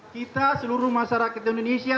kita seluruh masyarakat indonesia